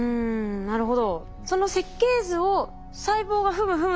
なるほど。